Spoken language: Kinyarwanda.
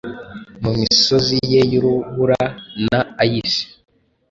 mumisozi ye Yurubura na ice;